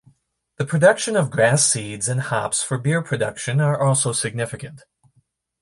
The production of grass seeds and hops for beer production are also significant.